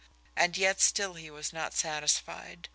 And yet still he was not satisfied.